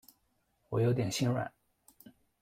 我有点心软